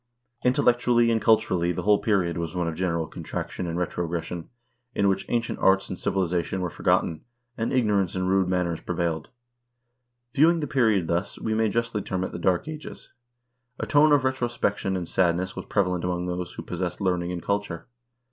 Intellectually and culturally the whole period was one of general contraction and retrogression, in which ancient arts and civilization were forgotten, and ignorance and rude manners prevailed. View ing the period thus, we may justly term it the Dark Ages. A tone of retrospection and sadness was prevalent among those who pos sessed learning and culture.